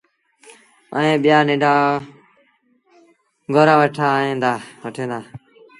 ائيٚݩ ٻيٚآ ننڍآ گونرآ وٺيٚن دآ۔